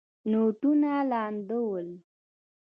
نوټونه لانده ول.